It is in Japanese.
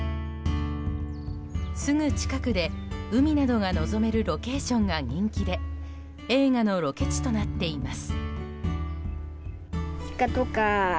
すぐ近くで海などが望めるロケーションが人気で映画のロケ地となっています。